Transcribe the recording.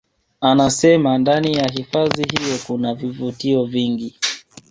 Anasema ndani ya hifadhi hiyo kuna vivutio vingi